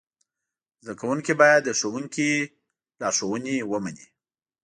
زده کوونکي باید د ښوونکي لارښوونې ومني.